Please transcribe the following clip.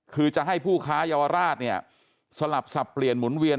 คือจะให้ผู้ค้าเยาวราชเนี่ยสลับสับเปลี่ยนหมุนเวียน